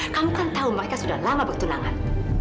kamu kan tahu mereka sudah lama bertunangan